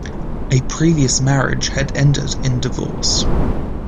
A previous marriage had ended in divorce.